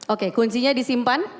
oke kuncinya disimpan